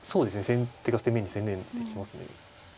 先手が攻めに専念できますね。